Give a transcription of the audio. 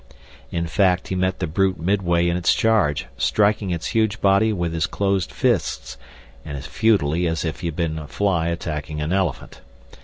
In fact he met the brute midway in its charge, striking its huge body with his closed fists and as futilely as he had been a fly attacking an elephant.